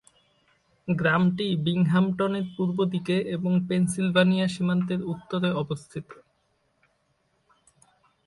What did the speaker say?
গ্রামটি বিংহামটনের পূর্ব দিকে এবং পেনসিলভানিয়া সীমান্তের উত্তরে অবস্থিত।